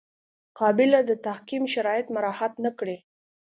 قابله د تعقیم شرایط مراعات نه کړي.